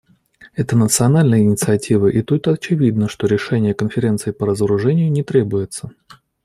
Это национальная инициатива, и тут очевидно, что решения Конференции по разоружению не требуется.